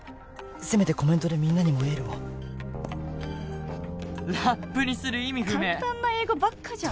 せめてコメントでみんなにもエールを「ラップにする意味不明」「簡単な英語ばっかじゃん」